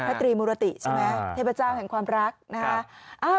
พระตรีมุรติใช่ไหมอ่าเทพเจ้าแห่งความรักนะฮะอ่า